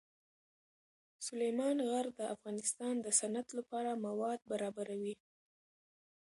سلیمان غر د افغانستان د صنعت لپاره مواد برابروي.